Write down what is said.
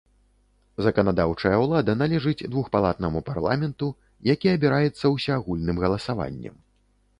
Заканадаўчая ўлада належыць двухпалатнаму парламенту, які абіраецца ўсеагульным галасаваннем.